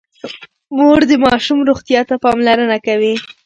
مور د ماشوم روغتيا ته پاملرنه کوي.